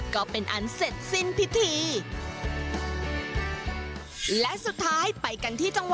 ก็เป็นอันเสร็จสิ้นพิธี